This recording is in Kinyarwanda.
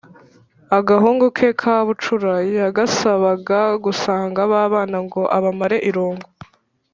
Agahungu ke kabucura yagasabaga gusanga babana ngo abamare irungu.